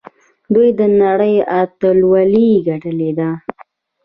دوی د نړۍ اتلولي ګټلې ده.